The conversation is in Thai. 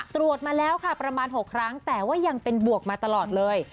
ตรวจมาแล้วค่ะประมาณ๖ครั้งแต่ว่ายังเป็นบวกมาตลอดเลย